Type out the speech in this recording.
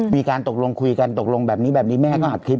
มีการตกลงคุยกันตกลงแบบนี้แบบนี้แม่ก็อัดคลิป